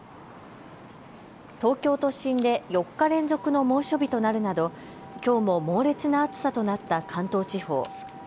東京都心で４日連続の猛暑日となるなど、きょうも猛烈な暑さとなった関東地方。